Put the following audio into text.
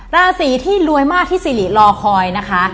ราศีที่รวยมากที่สิริรอคอยนะคะ